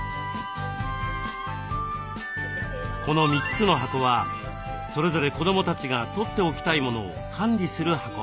この３つの箱はそれぞれ子どもたちがとっておきたいモノを管理する箱です。